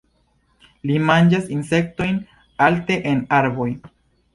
Ii manĝas insektojn alte en arboj.